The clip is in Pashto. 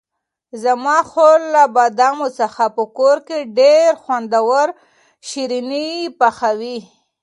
زما خور له بادامو څخه په کور کې ډېر خوندور شیریني پخوي.